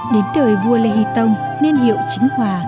đến đời vua lê hỷ tông nên hiệu chính hòa